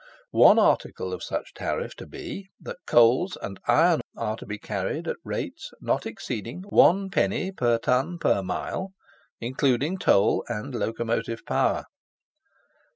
One article of such tariff to be, that coals and iron are to be carried at rates not exceeding 1_d._ per ton per mile, including toll and locomotive power.